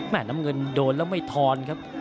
น้ำเงินโดนแล้วไม่ทอนครับ